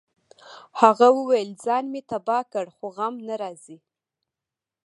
هغه ویل ځان مې تباه کړ خو غم نه راځي